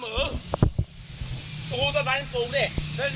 นี่กำลังโอกาส